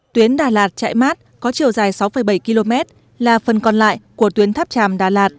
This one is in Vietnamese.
tuyến đà lạt chạy mát có chiều dài sáu bảy km là phần còn lại của tuyến tháp tràm đà lạt